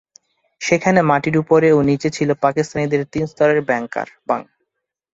সেখানে মাটির ওপরে ও নিচে ছিল পাকিস্তানিদের তিন স্তরের বাংকার।